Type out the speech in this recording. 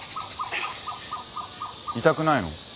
痛くないの？